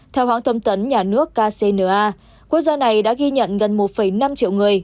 theo hãng thông tấn nhà nước kcna quốc gia này đã ghi nhận gần một năm triệu người